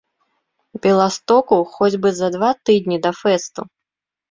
Беластоку хоць бы за два тыдні да фэсту!